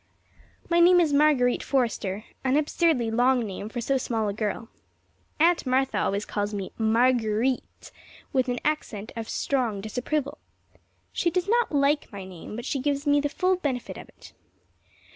My name is Marguerite Forrester an absurdly long name for so small a girl. Aunt Martha always calls me Marguer_ite_, with an accent of strong disapproval. She does not like my name, but she gives me the full benefit of it.